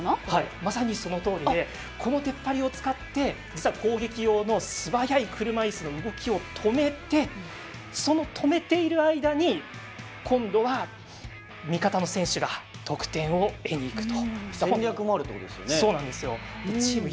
まさにそのとおりでこの出っ張りを使って実は攻撃用の素早い車いすの動きを止めてその止めている間に今度は味方の選手が得点を入れにいくと。